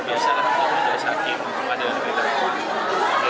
jepang menjadi hakim kepada rita rita